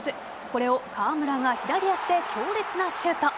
これを川村が左足で強烈なシュート。